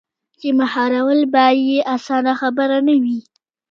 چـې مـهار ول بـه يـې اسـانه خبـره نـه وي.